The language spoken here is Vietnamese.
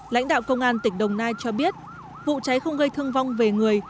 lãnh đạo công an tỉnh đồng nai cho biết vụ cháy không gây thương vong về người